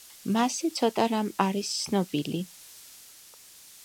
მასზე ცოტა რამ არის ცნობილი.